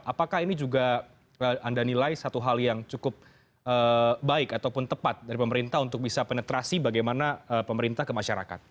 apakah ini juga anda nilai satu hal yang cukup baik ataupun tepat dari pemerintah untuk bisa penetrasi bagaimana pemerintah ke masyarakat